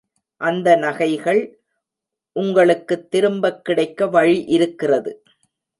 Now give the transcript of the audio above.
அந்த நகைகள் உங்களுக்குத் திரும்பக் கிடைக்க வழி இருக்கிறது.